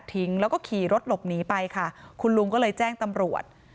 ทิ้งแล้วก็ขี่รถหลบหนีไปค่ะคุณลุงก็เลยแจ้งตำรวจ